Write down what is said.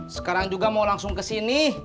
sekarang juga mau langsung kesini